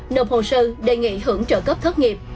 nộp hồ sơ đề nghị hưởng trợ cấp thất nghiệp